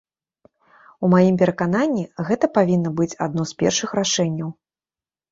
У маім перакананні, гэта павінна быць адно з першых рашэнняў.